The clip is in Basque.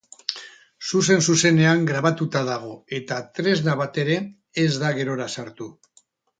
Zuzen-zuzenean grabatuta dago, eta tresna bat ere ez da gerora sartu.